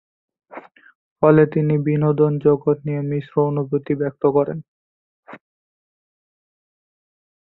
ফলে তিনি বিনোদন জগৎ নিয়ে মিশ্র অনুভূতি ব্যক্ত করেন।